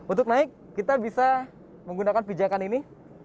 untuk naik kita bisa menggunakan pijakan ini